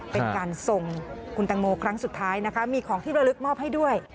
เป็นการส่งคุณแตงโมครั้งสุดท้ายนะคะมีของที่ระลึกมอบให้ด้วย